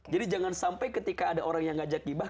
jadi jangan sampai ketika ada orang yang ngajak gibah